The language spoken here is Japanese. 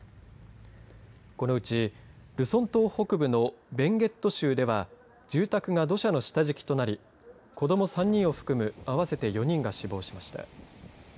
このうち、ルソン島北部のベンゲット州では住宅が土砂の下敷きとなり子ども３人を含む合わせて４人が死亡しました。